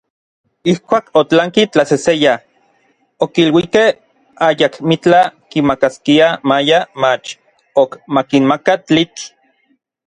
Ijkuak otlanki tlaseseya, okiluikej ayakmitlaj kimakaskiaj maya mach ok makinmaka tlitl.